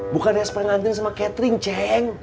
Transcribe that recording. buka deas pengantin sama catering ceng